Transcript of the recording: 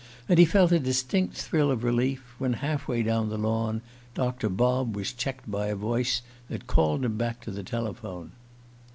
And he felt a distinct thrill of relief when, half way down the lawn, Doctor Bob was checked by a voice that called him back to the telephone.